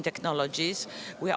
ke teknologi yang lebih hijau